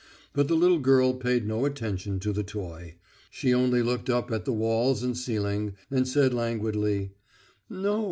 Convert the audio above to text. But the little girl paid no attention to the toy; she only looked up at the walls and ceiling, and said languidly: "No.